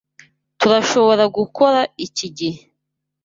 Turashobora gukora iki gihe.